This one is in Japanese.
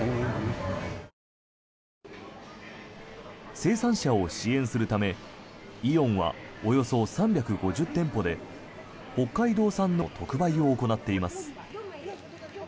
生産者を支援するためイオンは、およそ３５０店舗で北海道産の特売を行っています。